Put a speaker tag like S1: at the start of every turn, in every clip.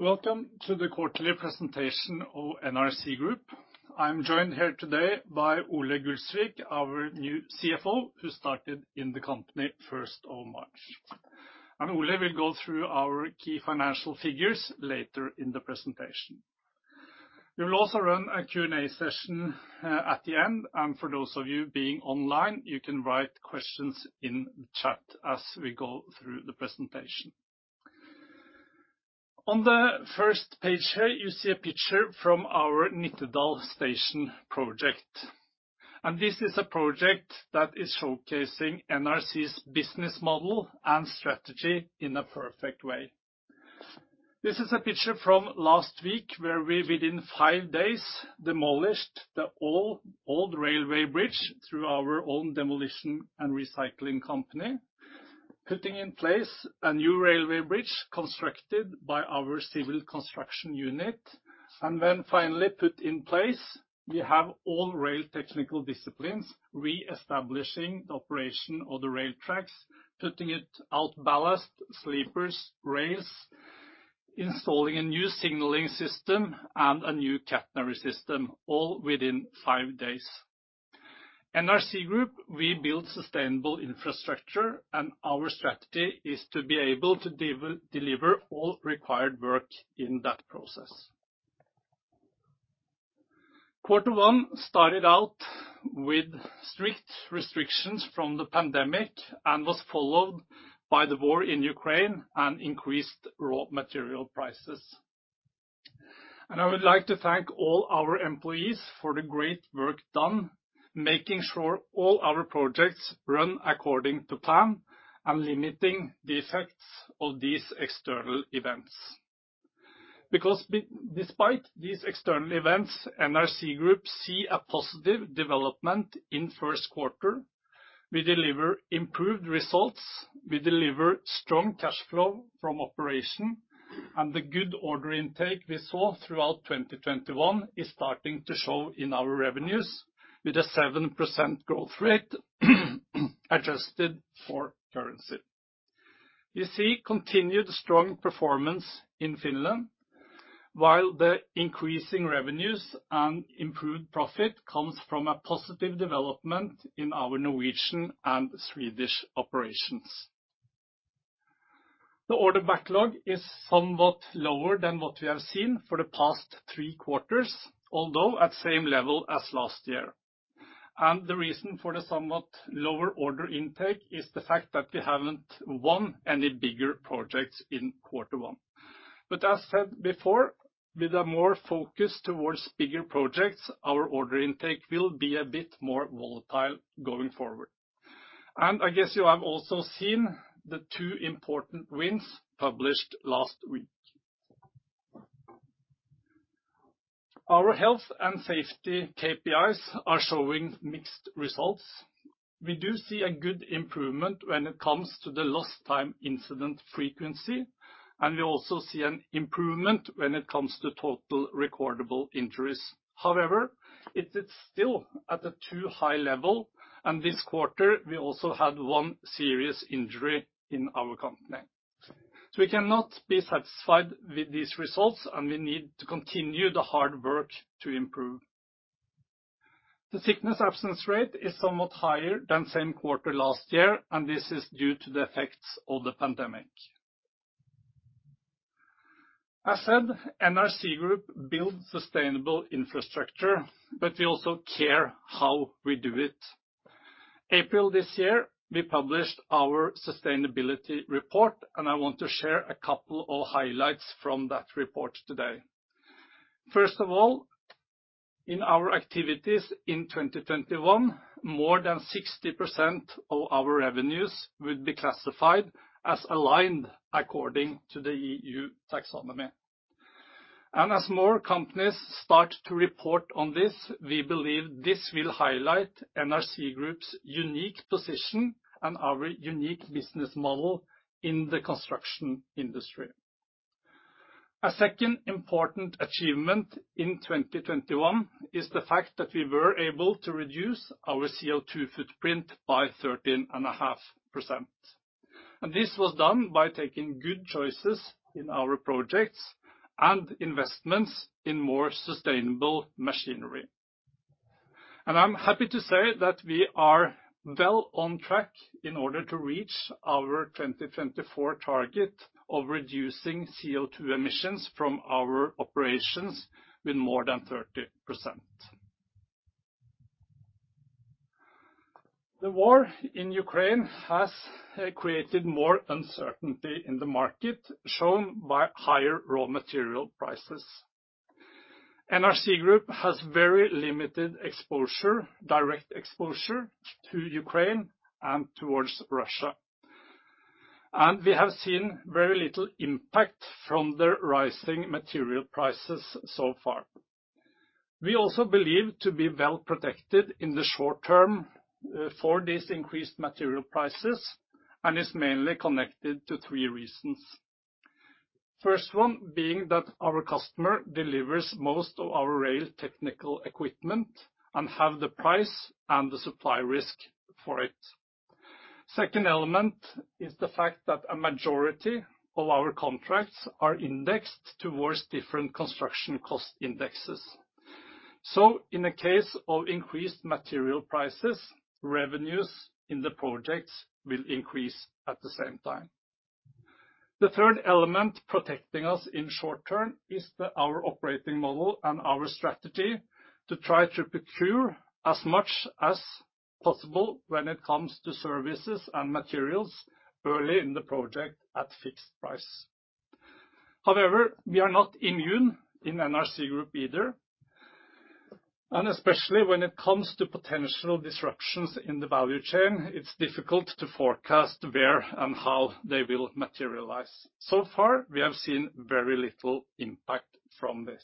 S1: Welcome to the quarterly presentation of NRC Group. I'm joined here today by Ole Gulsvik, our new CFO, who started in the company first of March. Ole will go through our key financial figures later in the presentation. We will also run a Q&A session at the end, and for those of you being online, you can write questions in chat as we go through the presentation. On the first page here, you see a picture from our Nittedal station project. This is a project that is showcasing NRC's business model and strategy in a perfect way. This is a picture from last week where we, within five days, demolished the old railway bridge through our own demolition and recycling company, putting in place a new railway bridge constructed by our civil construction unit. Finally put in place, we have all rail technical disciplines reestablishing the operation of the rail tracks, putting in ballast, sleepers, rails, installing a new signaling system and a new catenary system all within five days. NRC Group, we build sustainable infrastructure, and our strategy is to be able to deliver all required work in that process. Quarter one started out with strict restrictions from the pandemic and was followed by the war in Ukraine and increased raw material prices. I would like to thank all our employees for the great work done, making sure all our projects run according to plan and limiting the effects of these external events. Because despite these external events, NRC Group see a positive development in Q1. We deliver improved results, we deliver strong cash flow from operation, and the good order intake we saw throughout 2021 is starting to show in our revenues with a 7% growth rate, adjusted for currency. You see continued strong performance in Finland, while the increasing revenues and improved profit comes from a positive development in our Norwegian and Swedish operations. The order backlog is somewhat lower than what we have seen for the past 3 quarters, although at same level as last year. The reason for the somewhat lower order intake is the fact that we haven't won any bigger projects in Q1. As said before, with a more focus towards bigger projects, our order intake will be a bit more volatile going forward. I guess you have also seen the 2 important wins published last week. Our health and safety KPIs are showing mixed results. We do see a good improvement when it comes to the lost time incident frequency, and we also see an improvement when it comes to total recordable injuries. However, it is still at a too high-level, and this quarter, we also had one serious injury in our company. We cannot be satisfied with these results, and we need to continue the hard work to improve. The sickness absence rate is somewhat higher than same quarter last year, and this is due to the effects of the pandemic. As said, NRC Group build sustainable infrastructure, but we also care how we do it. April this year, we published our sustainability report, and I want to share a couple of highlights from that report today. First of all, in our activities in 2021, more than 60% of our revenues would be classified as aligned according to the EU taxonomy. As more companies start to report on this, we believe this will highlight NRC Group's unique position and our unique business model in the construction industry. A second important achievement in 2021 is the fact that we were able to reduce our CO2 footprint by 13.5%. This was done by taking good choices in our projects and investments in more sustainable machinery. I'm happy to say that we are well on track in order to reach our 2024 target of reducing CO2 emissions from our operations with more than 30%. The war in Ukraine has created more uncertainty in the market, shown by higher raw material prices. NRC Group has very limited exposure, direct exposure to Ukraine and towards Russia. We have seen very little impact from the rising material prices so far. We also believe to be well protected in the short-term for these increased material prices, and it's mainly connected to three reasons. First one being that our customer delivers most of our rail technical equipment and have the price and the supply risk for it. Second element is the fact that a majority of our contracts are indexed towards different construction cost indexes. In the case of increased material prices, revenues in the projects will increase at the same time. The third element protecting us in short-term is our operating model and our strategy to try to procure as much as possible when it comes to services and materials early in the project at fixed price. However, we are not immune in NRC Group either and especially when it comes to potential disruptions in the value chain, it's difficult to forecast where and how they will materialize. So far, we have seen very little impact from this.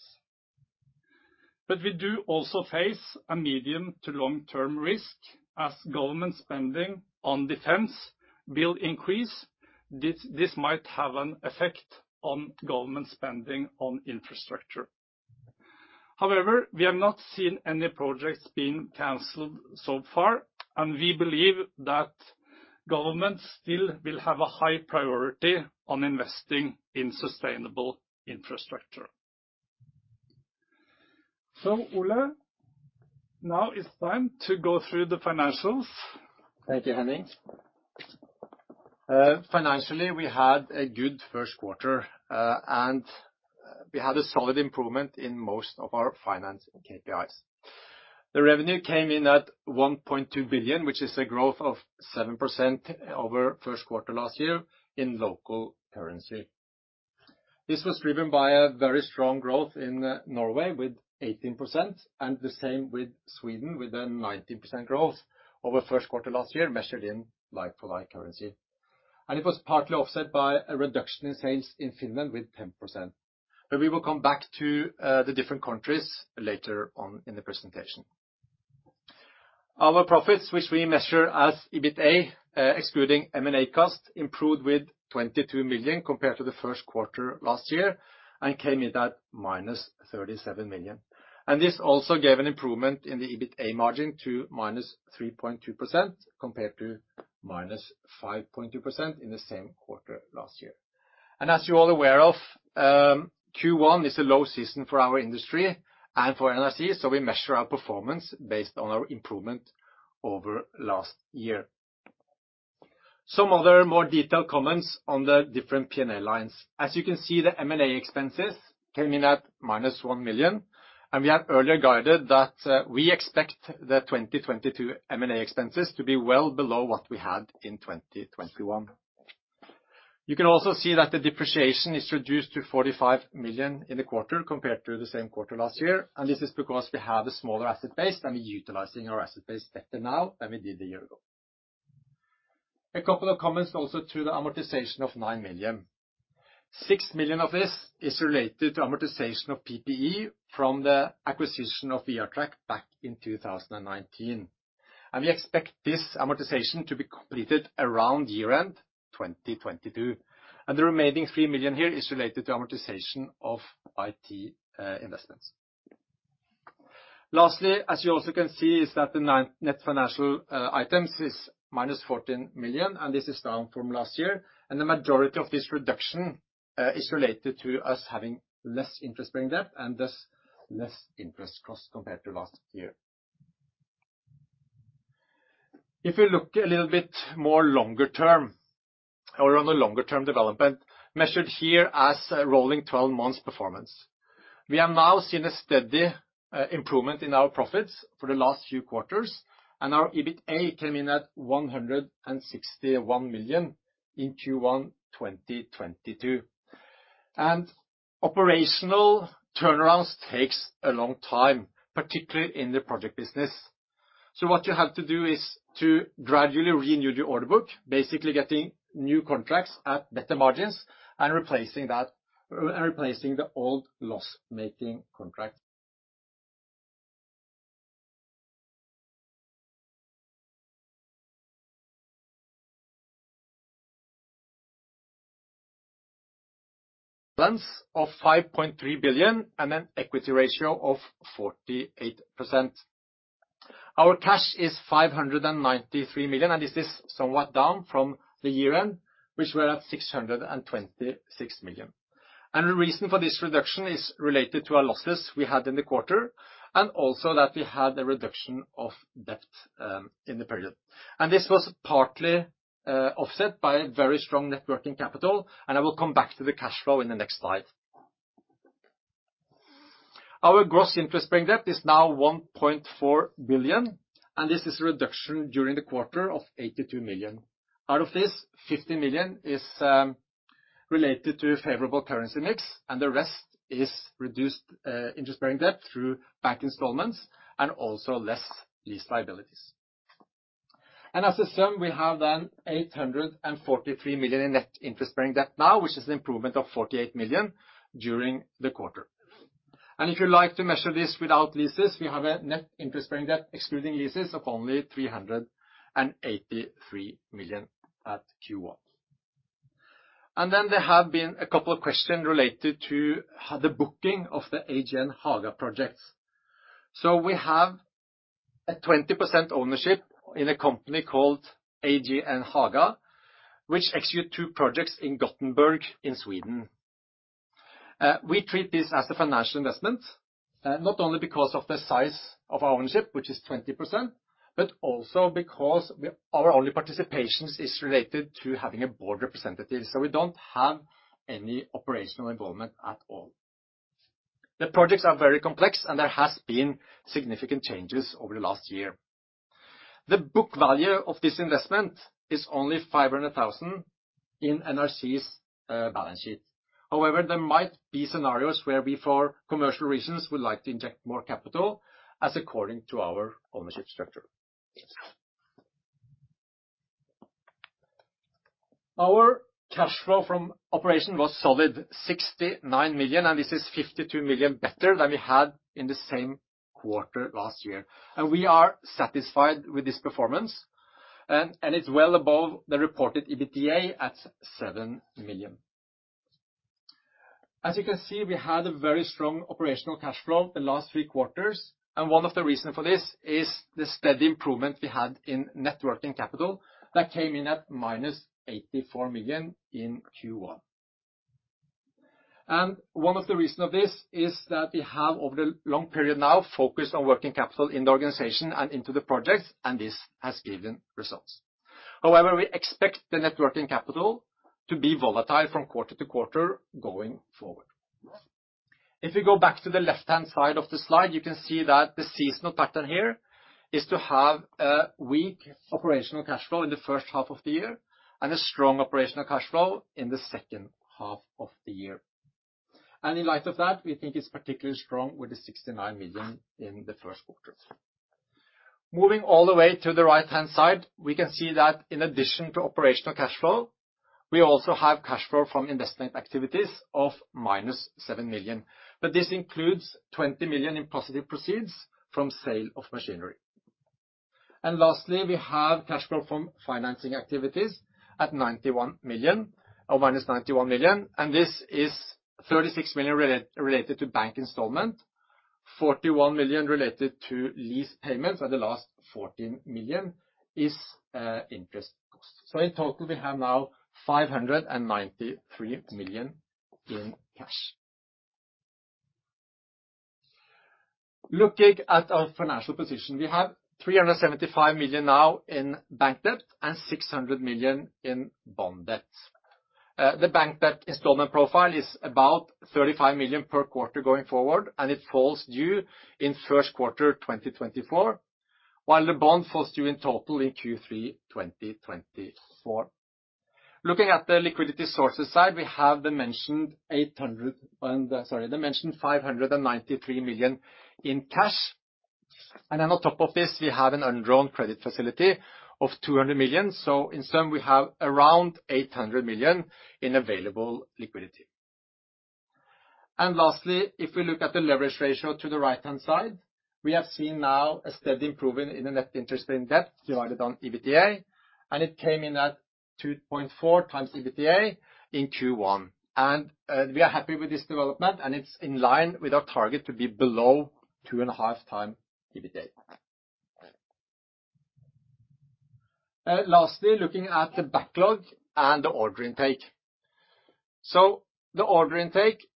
S1: We do also face a medium- to long-term risk as government spending on defense will increase, this might have an effect on government spending on infrastructure. However, we have not seen any projects being canceled so far, and we believe that government still will have a high-priority on investing in sustainable infrastructure. Ole, now it's time to go through the financials.
S2: Thank you, Henning. Financially, we had a good Q1, and we had a solid improvement in most of our finance and KPIs. The revenue came in at 1.2 billion, which is a growth of 7% over Q1 last year in local currency. This was driven by a very strong growth in Norway with 18%, and the same with Sweden, with a 19% growth over Q1 last year, measured in like-for-like currency. It was partly offset by a reduction in sales in Finland with 10%. We will come back to the different countries later on in the presentation. Our profits, which we measure as EBITA, excluding M&A costs, improved with 22 million compared to the Q1 last year and came in at -37 million. This also gave an improvement in the EBITA margin to -3.2% compared to -5.2% in the same quarter last year. As you all are aware of, Q1 is a low-season for our industry and for NRC, so we measure our performance based on our improvement over last year. Some other more detailed comments on the different P&L lines. As you can see, the M&A expenses came in at -1 million, and we have earlier guided that, we expect the 2022 M&A expenses to be well below what we had in 2021. You can also see that the depreciation is reduced to 45 million in the quarter compared to the same quarter last year. This is because we have a smaller asset base, and we're utilizing our asset base better now than we did a year ago. A couple of comments also to the amortization of 9 million. 6 million of this is related to amortization of PPE from the acquisition of VR Track back in 2019, and we expect this amortization to be completed around year-end 2022. The remaining 3 million here is related to amortization of IT investments. Lastly, as you also can see, is that the net financial items is -14 million, and this is down from last year. The majority of this reduction is related to us having less interest-bearing debt and thus less interest costs compared to last year. If you look a little bit more longer-term or on a longer-term development, measured here as a rolling twelve months performance, we have now seen a steady improvement in our profits for the last few quarters, and our EBITA came in at 161 million in Q1 2022. Operational turnarounds takes a long-time, particularly in the project business. What you have to do is to gradually renew the order book, basically getting new contracts at better margins and replacing the old loss-making contract. Order book of 5.3 billion and an equity ratio of 48%. Our cash is 593 million, and this is somewhat down from the year-end, which were at 626 million. The reason for this reduction is related to our losses we had in the quarter, and also that we had a reduction of debt in the period. This was partly offset by very strong net working capital, and I will come back to the cash flow in the next slide. Our gross interest-bearing debt is now 1.4 billion, and this is a reduction during the quarter of 82 million. Out of this, 50 million is related to favorable currency mix, and the rest is reduced interest-bearing debt through bank installments and also less lease liabilities. As a sum, we have then 843 million in net interest-bearing debt now, which is an improvement of 48 million during the quarter. If you like to measure this without leases, we have a net interest-bearing debt excluding leases of only 383 million at Q1. Then there have been a couple of questions related to how the booking of the AGN Haga projects. We have a 20% ownership in a company called AGN Haga, which execute two projects in Gothenburg in Sweden. We treat this as a financial investment, not only because of the size of our ownership, which is 20%, but also because our only participation is related to having a board representative. We don't have any operational involvement at all. The projects are very complex, and there has been significant changes over the last year. The book value of this investment is only 500,000 in NRC's balance sheet. However, there might be scenarios where we, for commercial reasons, would like to inject more capital as according to our ownership structure. Our cash flow from operation was solid 69 million, and this is 52 million better than we had in the same quarter last year. We are satisfied with this performance. It's well above the reported EBITDA at 7 million. As you can see, we had a very strong operational cash flow the last three quarters, and one of the reason for this is the steady improvement we had in net working capital that came in at -84 million in Q1. One of the reason of this is that we have, over the long period now, focused on working capital in the organization and into the projects, and this has given results. However, we expect the net working capital to be volatile from quarter-to-quarter going forward. If we go back to the left-hand side of the slide, you can see that the seasonal pattern here is to have a weak operational cash flow in the first half of the year and a strong operational cash flow in the second half of the year. In light of that, we think it's particularly strong with the 69 million in the Q1. Moving all the way to the right-hand side, we can see that in addition to operational cash flow, we also have cash flow from investment activities of -7 million. This includes 20 million in positive proceeds from sale of machinery. Lastly, we have cash flow from financing activities at 91 million, or minus 91 million, and this is 36 million related to bank installment, 41 million related to lease payments, and the last 14 million is interest cost. In total, we have now 593 million in cash. Looking at our financial position, we have 375 million now in bank debt and 600 million in bond debt. The bank debt installment profile is about 35 million per quarter going forward, and it falls due in Q1 2024, while the bond falls due in total in Q3 2024. Looking at the liquidity sources side, we have the mentioned 593 million in cash. Then on top of this, we have an undrawn credit facility of 200 million. In sum, we have around 800 million in available liquidity. Lastly, if we look at the leverage ratio to the right-hand side, we have seen now a steady improvement in the net interest-bearing debt divided by EBITDA, and it came in at 2.4 times EBITDA in Q1. We are happy with this development, and it's in line with our target to be below 2.5 times EBITDA. Lastly, looking at the backlog and the order intake. The order intake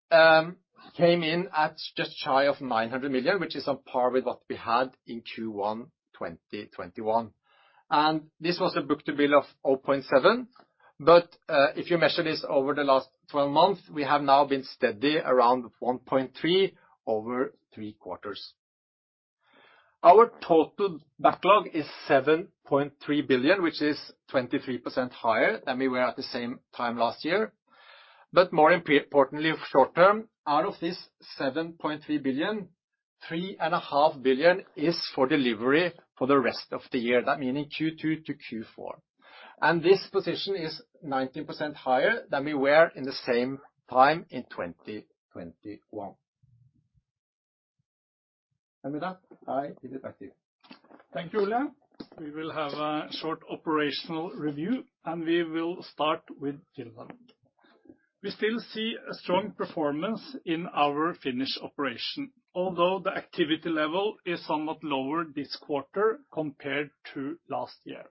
S2: came in at just shy of 900 million, which is on par with what we had in Q1 2021. This was a book-to-bill of 0.7. If you measure this over the last 12 months, we have now been steady around 1.3 over 3 quarters. Our total backlog is 7.3 billion, which is 23% higher than we were at the same time last year. More importantly short-term, out of this 7.3 billion, 3.5 billion is for delivery for the rest of the year, that meaning Q2 to Q4. This position is 19% higher than we were in the same time in 2021. With that, I give it back to you.
S1: Thank you, Ole. We will have a short operational review, and we will start with Finland. We still see a strong performance in our Finnish operation, although the activity level is somewhat lower this quarter compared to last year.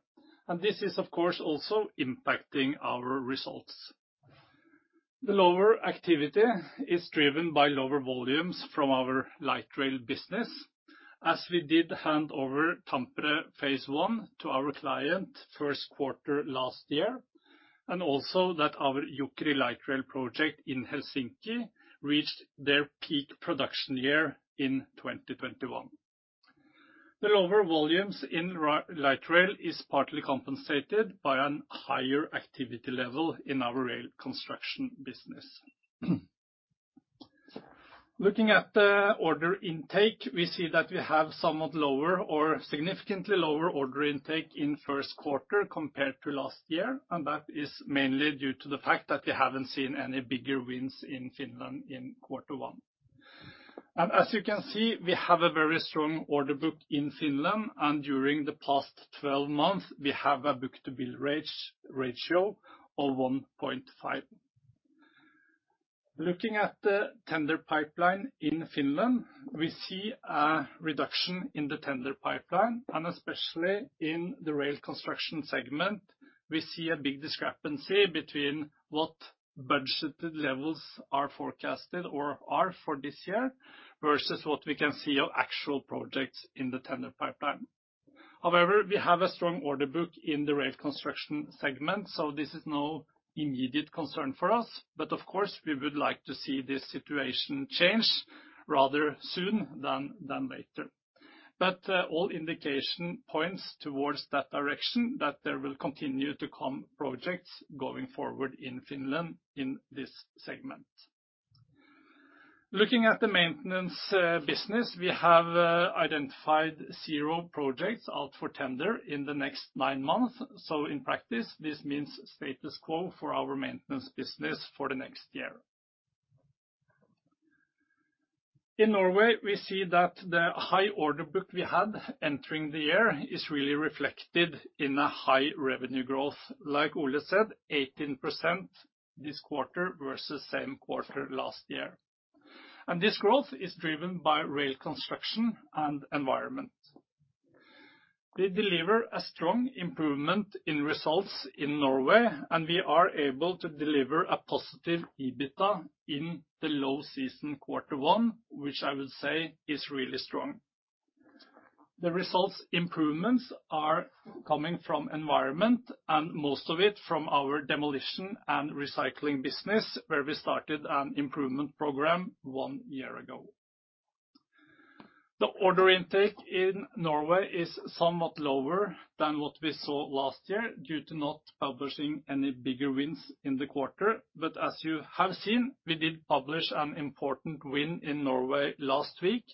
S1: This is, of course, also impacting our results. The lower activity is driven by lower volumes from our light rail business, as we did hand over Tampere phase one to our client Q1 last year, and also that our Jokeri Light Rail project in Helsinki reached their peak production year in 2021. The lower volumes in light rail is partly compensated by a higher-activity level in our rail construction business. Looking at the order intake, we see that we have somewhat lower or significantly lower order intake in Q1 compared to last year, and that is mainly due to the fact that we haven't seen any bigger wins in Finland in Q1. We have a very strong order book in Finland and during the past twelve months we have a book-to-bill ratio of 1.5. Looking at the tender pipeline in Finland, we see a reduction in the tender pipeline, and especially in the rail construction segment, we see a big discrepancy between what budgeted levels are forecasted or are for this year versus what we can see of actual projects in the tender pipeline. However, we have a strong order book in the rail construction segment, so this is no immediate concern for us. Of course, we would like to see this situation change rather soon than later. All indication points towards that direction, that there will continue to come projects going forward in Finland in this segment. Looking at the maintenance business, we have identified zero projects out for tender in the next nine months. In practice, this means status quo for our maintenance business for the next year. In Norway, we see that the high order book we had entering the year is really reflected in a high revenue growth. Like Ole said, 18% this quarter versus same quarter last year. This growth is driven by rail construction and environment. We deliver a strong improvement in results in Norway, and we are able to deliver a positive EBITDA in the low-season quarter one, which I would say is really strong. The results improvements are coming from environment and most of it from our demolition and recycling business, where we started an improvement program one year ago. The order intake in Norway is somewhat lower than what we saw last year due to not publishing any bigger wins in the quarter. As you have seen, we did publish an important win in Norway last week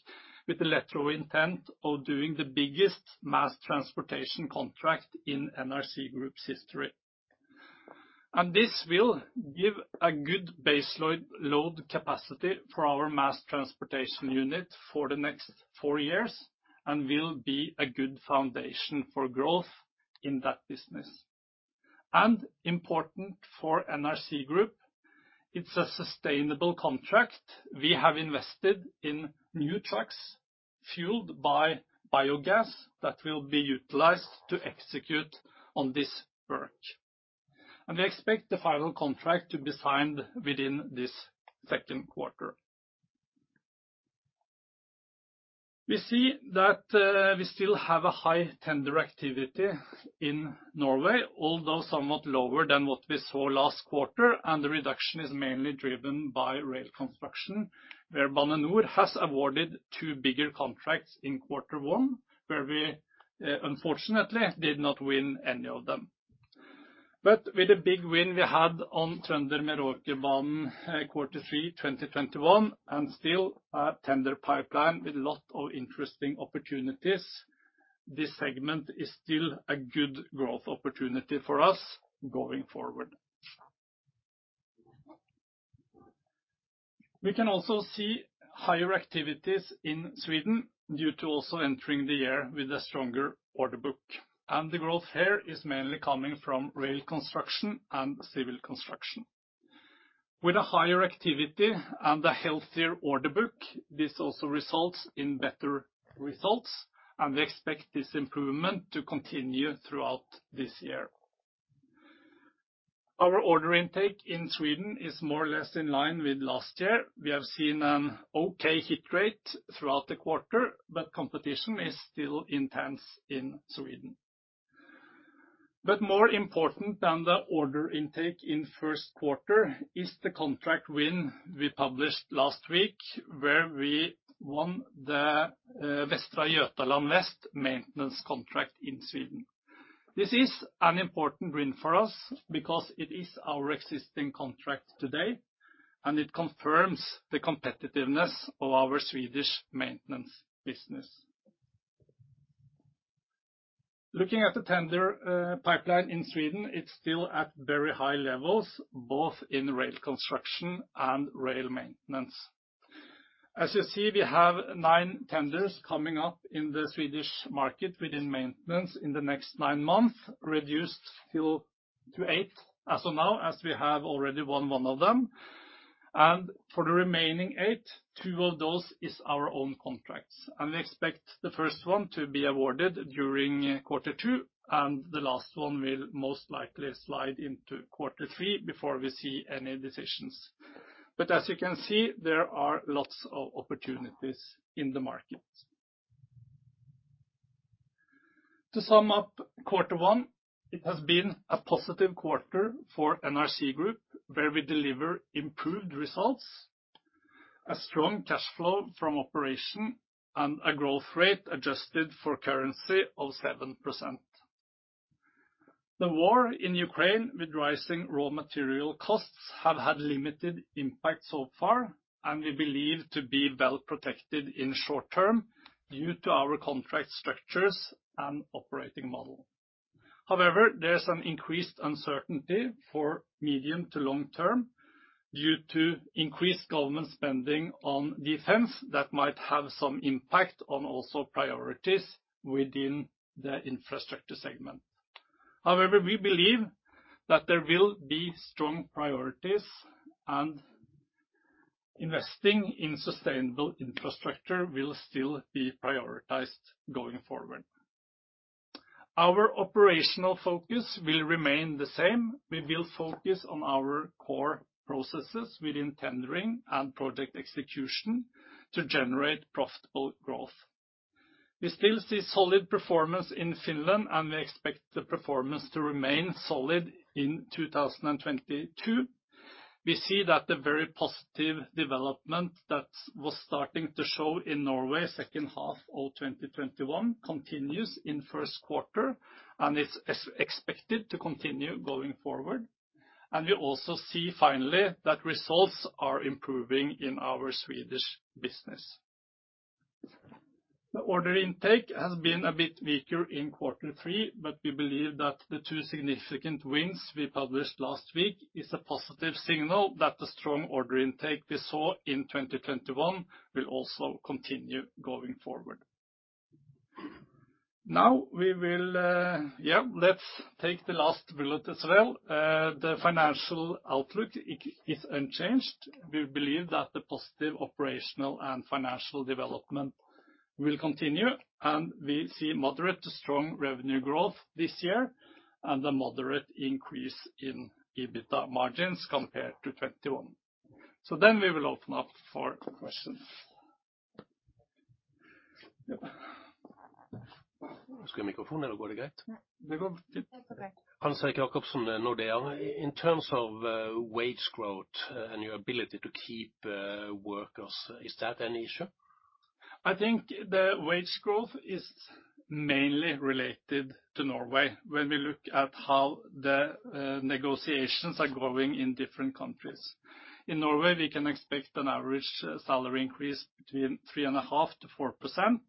S1: with the letter of intent of doing the biggest mass transportation contract in NRC Group's history. This will give a good baseload, load capacity for our mass transportation unit for the next four years and will be a good foundation for growth in that business. Important for NRC Group, it's a sustainable contract. We have invested in new trucks fueled by biogas that will be utilized to execute on this work. We expect the final contract to be signed within this Q2. We see that we still have a high-tender activity in Norway, although somewhat lower than what we saw last quarter, and the reduction is mainly driven by rail construction, where Bane NOR has awarded two bigger contracts in Q1, where we unfortunately did not win any of them. With the big win we had on Trønderbanen quarter three 2021, and still a tender pipeline with a lot of interesting opportunities, this segment is still a good growth opportunity for us going forward. We can also see higher-activities in Sweden due to also entering the year with a stronger order book. The growth here is mainly coming from rail construction and civil construction. With a higher-activity and a healthier order book, this also results in better results and we expect this improvement to continue throughout this year. Our order intake in Sweden is more or less in line with last year. We have seen an okay hit rate throughout the quarter, but competition is still intense in Sweden. More important than the order intake in Q1 is the contract win we published last week, where we won the Västra Götaland West maintenance contract in Sweden. This is an important win for us because it is our existing contract today, and it confirms the competitiveness of our Swedish maintenance business. Looking at the tender pipeline in Sweden, it's still at very high-levels, both in rail construction and rail maintenance. As you see, we have 9 tenders coming up in the Swedish market within maintenance in the next 9 months, reduced to 8 as of now, as we have already won one of them. For the remaining 8, two of those is our own contracts. We expect the first one to be awarded during Q2, and the last one will most likely slide into Q3 before we see any decisions. As you can see, there are lots of opportunities in the market. To sum up Q1, it has been a positive quarter for NRC Group, where we deliver improved results, a strong cash flow from operation and a growth rate adjusted for currency of 7%. The war in Ukraine with rising raw material costs have had limited impact so far, and we believe to be well-protected in short-term due to our contract structures and operating model. However, there's some increased uncertainty for medium to long-term due to increased government spending on defense that might have some impact on also priorities within the infrastructure segment. However, we believe that there will be strong priorities, and investing in sustainable infrastructure will still be prioritized going forward. Our operational focus will remain the same. We will focus on our core processes within tendering and project execution to generate profitable growth. We still see solid performance in Finland, and we expect the performance to remain solid in 2022. We see that the very positive development that was starting to show in Norway second half of 2021 continues in Q1, and it's expected to continue going forward. We also see finally, that results are improving in our Swedish business. The order intake has been a bit weaker in Q3, but we believe that the two significant wins we published last week is a positive signal that the strong order intake we saw in 2021 will also continue going forward. Now we will take the last bullet as well. The financial outlook is unchanged. We believe that the positive operational and financial development will continue, and we see moderate to strong revenue growth this year and a moderate increase in EBITDA margins compared to 2021. We will open up for questions.
S3: Hans-Erik Jacobsen, Nordea. In terms of wage growth and your ability to keep workers, is that an issue?
S1: I think the wage growth is mainly related to Norway when we look at how the negotiations are going in different countries. In Norway, we can expect an average salary increase between 3.5%-4%,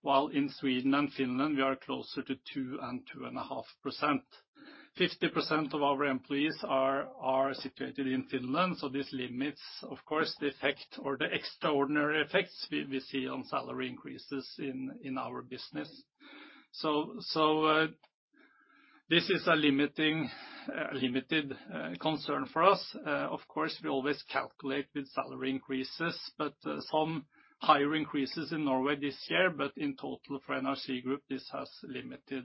S1: while in Sweden and Finland we are closer to 2%-2.5%. 50% of our employees are situated in Finland, so this limits, of course, the effect or the extraordinary effects we see on salary increases in our business. This is a limited concern for us. Of course, we always calculate with salary increases, but some higher increases in Norway this year. In total, for NRC Group, this has limited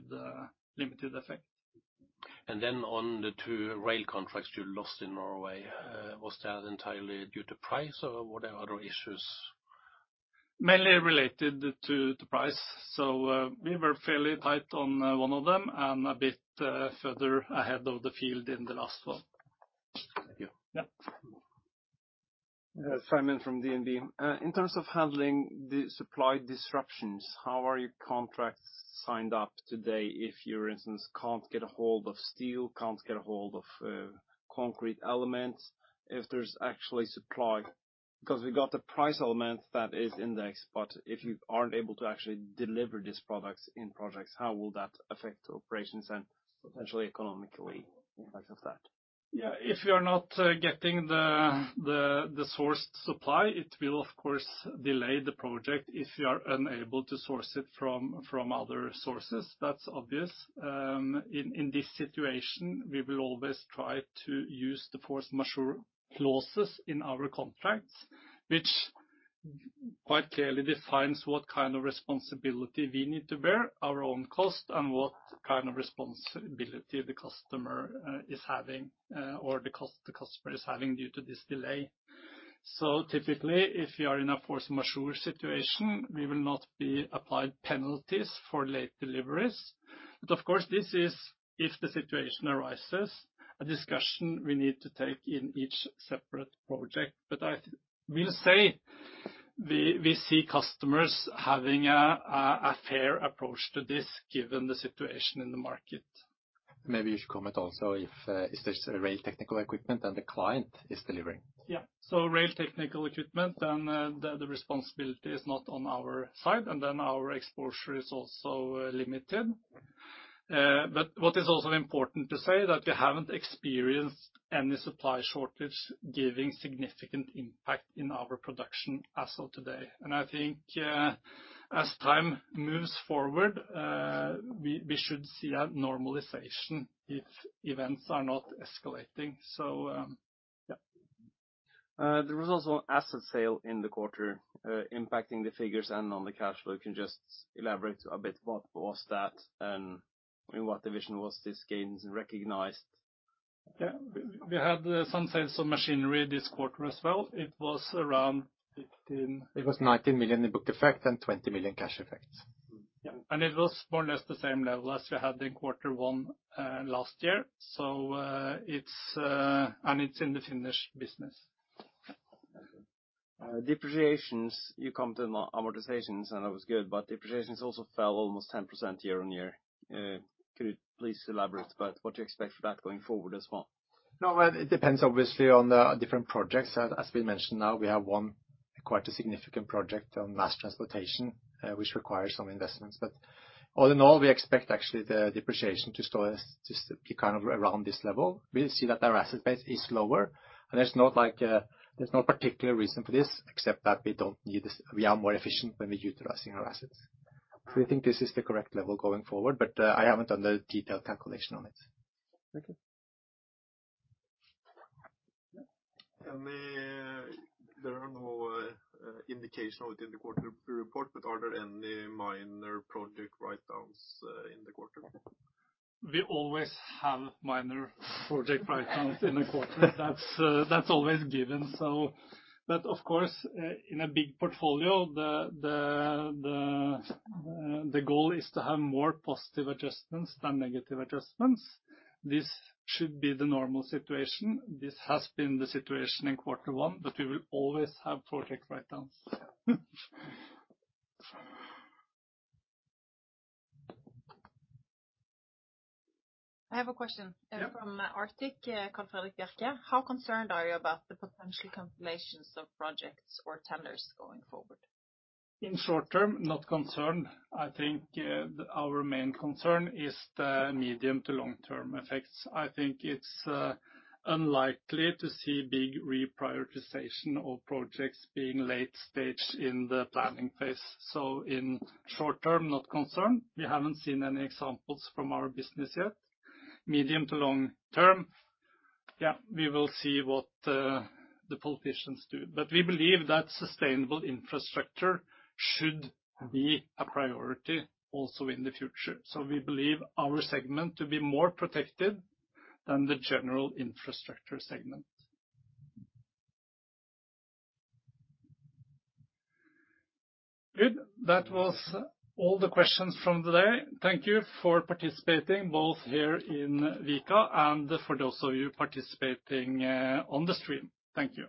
S1: effect.
S3: On the two rail contracts you lost in Norway, was that entirely due to price or were there other issues?
S1: Mainly related to the price. We were fairly tight on one of them and a bit, further ahead of the field in the last one.
S3: Thank you.
S1: Yeah.
S4: Simon from DNB. In terms of handling the supply disruptions, how are your contracts signed up today if you, for instance, can't get a hold of steel, can't get a hold of concrete elements, if there's actually supply? Because we got the price element that is indexed, but if you aren't able to actually deliver these products in projects, how will that affect operations and potentially economic impacts of that?
S1: Yeah. If you are not getting the sourced supply, it will of course delay the project if you are unable to source it from other sources. That's obvious. In this situation, we will always try to use the force majeure clauses in our contracts, which quite clearly defines what kind of responsibility we need to bear our own cost and what kind of responsibility the customer is having, or the cost the customer is having due to this delay. So typically, if you are in a force majeure situation, we will not be applied penalties for late deliveries. Of course, this is if the situation arises, a discussion we need to take in each separate project. I will say we see customers having a fair approach to this given the situation in the market.
S2: Maybe you should comment also if is this a rail technical equipment and the client is delivering?
S1: Yeah. Rail technical equipment then, the responsibility is not on our side, and then our exposure is also limited. What is also important to say that we haven't experienced any supply shortage giving significant impact in our production as of today. I think, as time moves forward, we should see a normalization if events are not escalating. Yeah.
S4: There was also an asset sale in the quarter, impacting the figures and on the cash flow. You can just elaborate a bit, what was that and in what division was these gains recognized?
S1: Yeah. We had some sales of machinery this quarter as well. It was around 15-.
S2: It was 19 million in book effect and 20 million cash effect.
S1: Yeah. It was more or less the same level as we had in Q1 last year. It's in the Finnish business.
S4: Depreciations, you come to amortizations, and that was good, but depreciations also fell almost 10% year-on-year. Could you please elaborate about what you expect for that going forward as well?
S2: No, well, it depends obviously on the different projects. As we mentioned now, we have one. Quite a significant project on mass transportation, which requires some investments. All in all, we expect actually the depreciation just to be kind of around this level. We see that our asset base is lower, and there's no particular reason for this except that we don't need this. We are more efficient when we're utilizing our assets. We think this is the correct level going forward, but I haven't done a detailed calculation on it.
S1: Thank you.
S5: There are no indication within the quarterly report, but are there any minor project write-downs in the quarter?
S1: We always have minor project write-downs in a quarter. That's always given. Of course, in a big portfolio the goal is to have more positive adjustments than negative adjustments. This should be the normal situation. This has been the situation in Q1, but we will always have project write-downs.
S2: I have a question.
S1: Yeah.
S2: From Arctic.
S1: Yeah.
S5: Carl Fredrik Byke. How concerned are you about the potential cancellations of projects or tenders going forward?
S1: In short-term, not concerned. I think, our main concern is the medium to long-term effects. I think it's unlikely to see big reprioritization of projects being late stage in the planning phase. In short-term, not concerned. We haven't seen any examples from our business yet. Medium to long-term, yeah, we will see what the politicians do. We believe that sustainable infrastructure should be a priority also in the future. We believe our segment to be more protected than the general infrastructure segment. Good. That was all the questions from today. Thank you for participating both here in Vika and for those of you participating on the stream. Thank you.